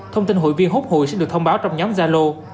thông tin hội viên hút hội sẽ được thông báo trong nhóm gia lô